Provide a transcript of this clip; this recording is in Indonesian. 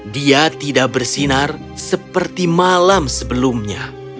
dia tidak bersinar seperti malam sebelumnya